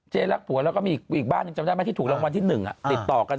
รักผัวแล้วก็มีอีกบ้านหนึ่งจำได้ไหมที่ถูกรางวัลที่๑ติดต่อกัน